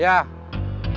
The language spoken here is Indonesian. nggak usah khawatir